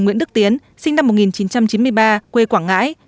nguyễn đức tiến sinh năm một nghìn chín trăm chín mươi ba quê quảng ngãi